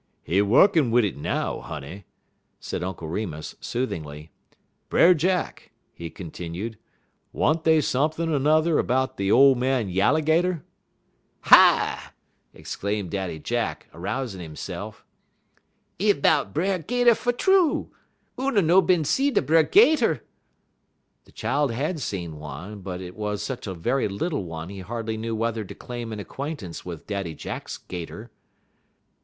"He wukkin' wid it now, honey," said Uncle Remus, soothingly. "Brer Jack," he continued, "wa'n't dey sump'n' n'er 'bout ole man Yalligater?" "Hi!" exclaimed Daddy Jack, arousing himself, "'e 'bout B'er 'Gater fer true. Oona no bin see da' B'er 'Gater?" The child had seen one, but it was such a very little one he hardly knew whether to claim an acquaintance with Daddy Jack's 'Gater.